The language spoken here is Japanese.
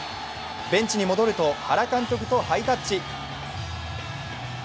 ベンチに戻ると原監督とハイタッチ。